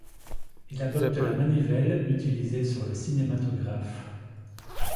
Il adopte la manivelle utilisée sur le cinématographe.